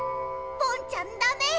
ポンちゃんダメ。